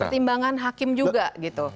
pertimbangan hakim juga gitu